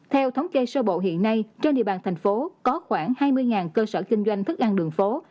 theo thống kê sơ bộ hiện nay trên địa bàn thành phố có khoảng hai mươi cơ sở kinh doanh thức ăn đường phố